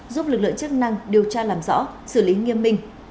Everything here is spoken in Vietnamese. giúp lực lượng chức năng điều tra làm rõ xử lý nghiêm minh